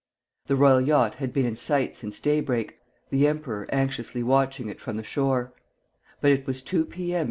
The royal yacht had been in sight since daybreak, the emperor anxiously watching it from the shore; but it was two P. M.